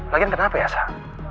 lagian kenapa ya sah